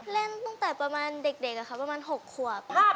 เล่นต้องแต่ประมาณเด็กละครับประมาณ๖ขวบ